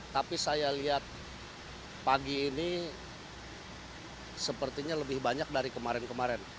tapi saya lihat pagi ini sepertinya lebih banyak dari kemarin kemarin